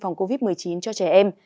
phòng covid một mươi chín cho trẻ em